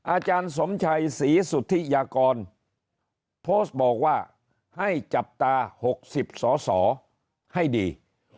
อาจารย์สมชัยศรีสุธิยากรโพสต์บอกว่าให้จับตา๖๐สอสอให้ดี